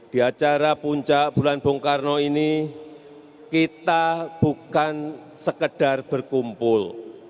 di acara puncak bulan bung karno ini kita bukan sekedar berkumpul